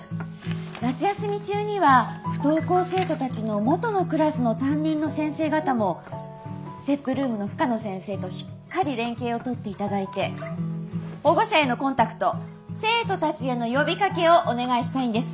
夏休み中には不登校生徒たちの元のクラスの担任の先生方もＳＴＥＰルームの深野先生としっかり連携をとっていただいて保護者へのコンタクト生徒たちへの呼びかけをお願いしたいんです。